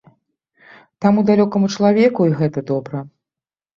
Таму далёкаму чалавеку й гэта добра.